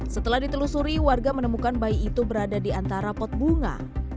setelah ditelusuri warga menemukan bayi itu berada di antara pot bunga